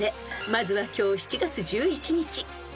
［まずは今日７月１１日］